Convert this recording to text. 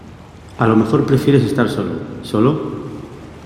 a lo mejor prefieres estar solo. ¿ solo?